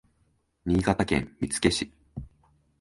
新潟県見附市